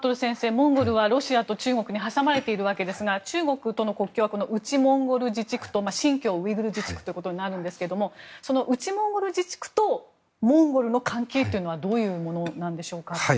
モンゴルはロシアと中国に挟まれているわけですが中国との国境は内モンゴル自治区と新疆ウイグル自治区ということになるんですがそのモンゴル自治区とモンゴルの関係というのはどういうものなんでしょうか。